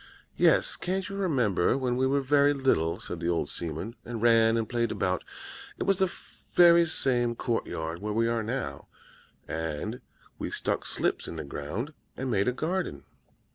"'Yes, can't you remember when we were very little,' said the old seaman, 'and ran and played about? It was the very same court yard where we now are, and we stuck slips in the ground, and made a garden.'